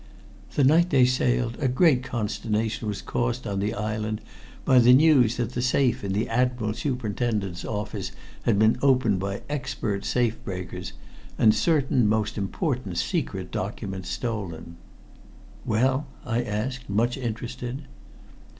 The night they sailed a great consternation was caused on the island by the news that the safe in the Admiral Superintendent's office had been opened by expert safe breakers, and certain most important secret documents stolen." "Well?" I asked, much interested.